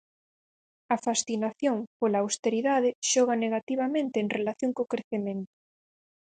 A fascinación pola austeridade xoga negativamente en relación co crecemento.